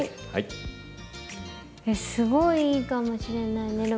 すごいいいかもしれない寝る